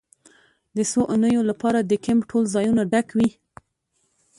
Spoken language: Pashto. د څو اونیو لپاره د کیمپ ټول ځایونه ډک وي